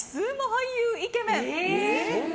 俳優イケメン！